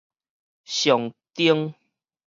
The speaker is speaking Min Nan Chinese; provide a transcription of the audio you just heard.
象徵